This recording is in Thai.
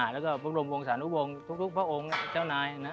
แล้วก็บำรุงวงศาลุวงศ์ทุกพระองค์เจ้านายนะ